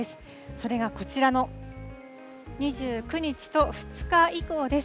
それがこちらの２９日と２日以降です。